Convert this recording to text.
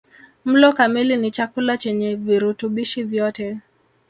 Mlo kamili ni chakula chenye virutubishi vyote